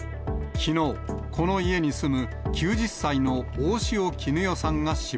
きのう、この家に住む９０歳の大塩衣与さんが死亡。